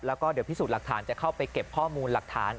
แล้วก็เดี๋ยวพิสูจน์หลักฐานจะเข้าไปเก็บข้อมูลหลักฐาน